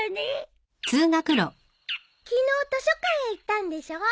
昨日図書館へ行ったんでしょ？